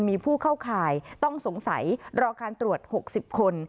มีผู้เข้าข่ายต้องสงสัยรอการตรวจ๖๐คน